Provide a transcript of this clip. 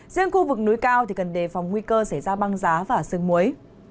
riêng khu vực núi cao thì cần đề phòng nguy cơ xảy ra băng giá và sương muối